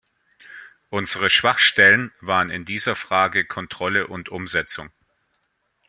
Unsere Schwachstellen waren in dieser Frage Kontrolle und Umsetzung.